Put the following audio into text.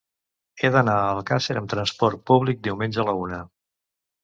He d'anar a Alcàsser amb transport públic diumenge a la una.